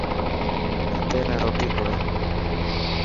انڌي نا روٽي کوڙا.